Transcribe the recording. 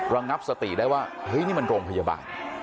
ระงับสติได้ว่าเฮ้ยนี่มันโรงพยาบาล